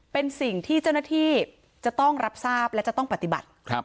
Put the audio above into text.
เป็นสิ่งที่เจ้าหน้าที่จะต้องรับทราบและจะต้องปฏิบัติ